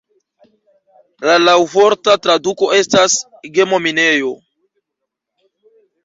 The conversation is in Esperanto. La laŭvorta traduko estas "gemo-minejo".